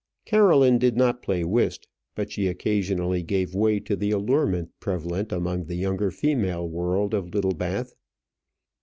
Caroline did not play whist, but she occasionally gave way to the allurement prevalent among the younger female world of Littlebath.